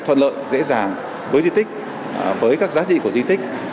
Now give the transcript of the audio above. thuận lợi dễ dàng với di tích với các giá trị của di tích